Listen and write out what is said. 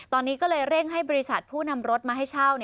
ตอนนี้ก็เลยเร่งให้บริษัทผู้นำรถมาให้เช่า